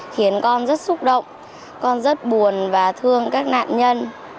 khiến con rất xúc động con rất buồn và thương các nạn nhân